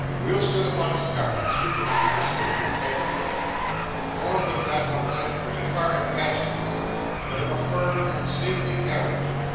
Will stood upon his guard, and scrutinised this figure from head to foot. The form was that of a man pretty far advanced in life, but of a firm and stately carriage.